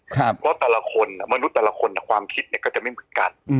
เพราะว่ามนุษย์แต่ละคนความคิดก็จะไม่เหมือนกัน